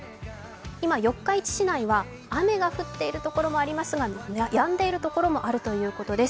今、四日市市内は雨が降っているところもありますがやんでいるところもあるということです。